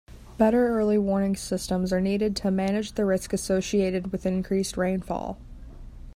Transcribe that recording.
Better early warning systems are needed to manage the risk associated with increased rainfall.